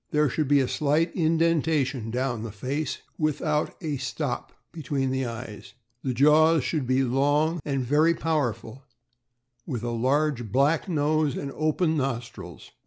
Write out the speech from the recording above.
There should be a slight indentation down the face, without a "stop" between the eyes. The jaws should be long and very powerful, with a large black nose and open nostrils.